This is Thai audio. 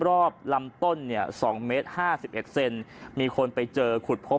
รอบลำต้นเนี้ยสองเมตรห้าสิบเอ็ดเซนมีคนไปเจอขุดพบ